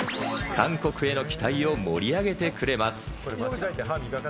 韓国への期待を盛り上げてくれます。